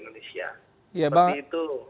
ya seperti itu